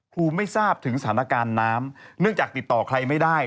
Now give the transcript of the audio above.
ครูไม่ทราบถึงสถานการณ์น้ำเนื่องจากติดต่อใครไม่ได้